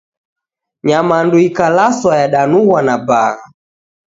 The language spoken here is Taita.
Nyamandu ikalaswa yadanughwa na bagha.